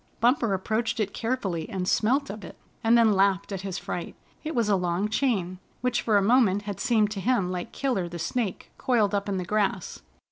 Bumper approached it carefully and smelt of it, and then laughed at his fright. It was a long chain, which for a moment had seemed to him like Killer the Snake coiled up in the grass.